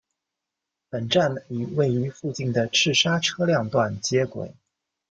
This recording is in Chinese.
本站与位于附近的赤沙车辆段接轨。